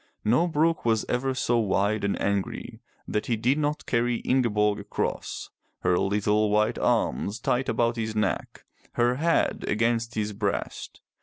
No brook was ever so wide and angry that he did not carry Ingeborg across, her little white arms tight about his neck, her head against his breast.